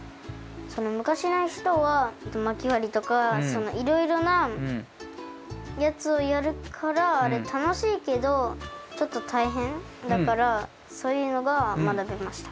昔の人はまきわりとかいろいろなやつをやるから楽しいけどちょっとたいへんだからそういうのがまなべました。